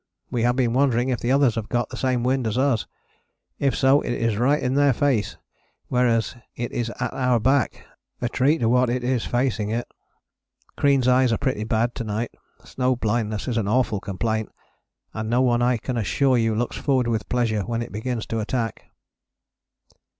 We have been wondering if the others have got the same wind as us. If so it is right in their face, whereas it is at our back, a treat to what it is facing it. Crean's eyes are pretty bad to night. Snow blindness is an awful complaint, and no one I can assure you looks forward with pleasure when it begins to attack.